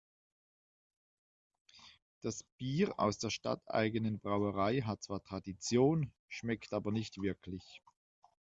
Das Bier aus der stadteigenen Brauerei hat zwar Tradition, schmeckt aber nicht wirklich.